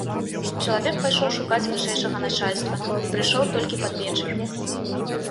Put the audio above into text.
Чалавек пайшоў шукаць вышэйшага начальства і прыйшоў толькі пад вечар.